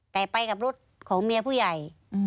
แต่ไปกับรถของเมียผู้ใหญ่